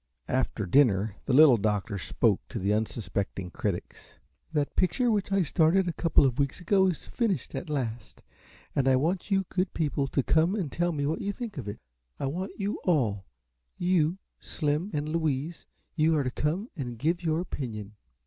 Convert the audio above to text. After dinner the Little Doctor spoke to the unsuspecting critics. "That picture which I started a couple of weeks ago is finished at last, and I want you good people to come and tell me what you think of it. I want you all you, Slim, and Louise, you are to come and give your opinion."